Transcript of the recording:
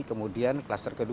kemudian kluster kedua